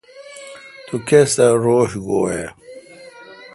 تو کس تھ روݭ گویہ۔